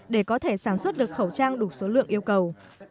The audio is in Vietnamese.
để có thể sản xuất được khẩu trang đủ số lượng yêu cầu